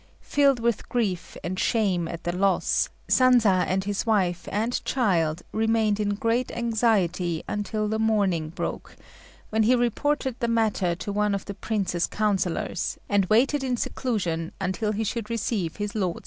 Filled with grief and shame at the loss, Sanza and his wife and child remained in great anxiety until the morning broke, when he reported the matter to one of the Prince's councillors, and waited in seclusion until he should receive his lord's commands.